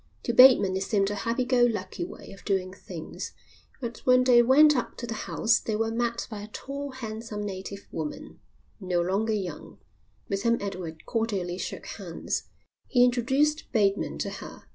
To Bateman it seemed a happy go lucky way of doing things. But when they went up to the house they were met by a tall, handsome native woman, no longer young, with whom Edward cordially shook hands. He introduced Bateman to her.